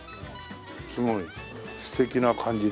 すごい素敵な感じですもんね。